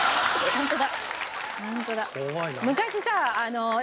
ホントに。